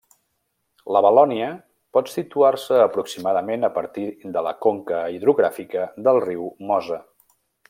La Valònia pot situar-se aproximadament a partir de la conca hidrogràfica del riu Mosa.